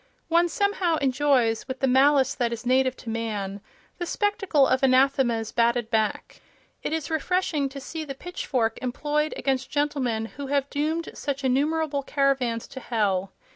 One somehow enjoys, with the malice that is native to man, the spectacle of anathemas batted back; it is refreshing to see the pitchfork employed against gentlemen who have doomed such innumerable caravans to hell.